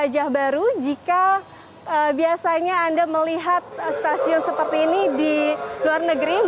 jika biasanya anda melihat stasiun seperti ini di luar negeri